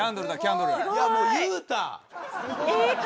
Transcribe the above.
いやもう言うた。